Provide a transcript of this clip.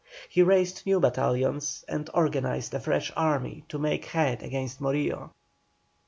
He raised new battalions and organized a fresh army to make head against Morillo.